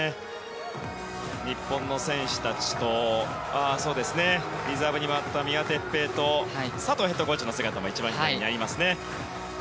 日本の選手たちとリザーブに回った三輪哲平と佐藤ヘッドコーチの姿もあります。